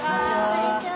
こんにちは。